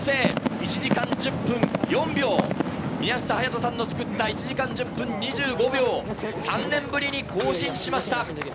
１時間１０分４秒、宮下隼人さんの作った１時間１０分１２秒を３年ぶりに更新しました。